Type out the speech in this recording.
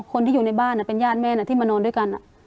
คนที่อยู่ในบ้านเป็นญาติแม่ที่มานอนด้วยกัน